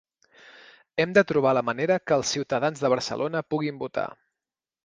Hem de trobar la manera que els ciutadans de Barcelona puguin votar.